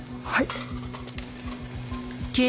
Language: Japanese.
はい。